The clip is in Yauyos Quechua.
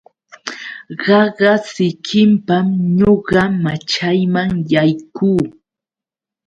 Qaqa sikinpam ñuqa machayman yaykuu.